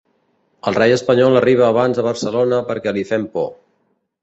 El rei espanyol arriba abans a Barcelona perquè li fem por.